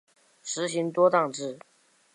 实行多党制。